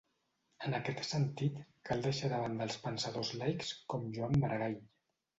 En aquest sentit, cal deixar de banda els pensadors laics, com Joan Maragall.